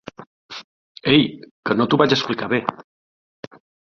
Ei, que no t'ho vaig explicar bé.